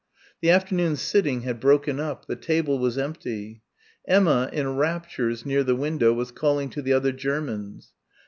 The afternoon sitting had broken up. The table was empty. Emma, in raptures near the window, was calling to the other Germans.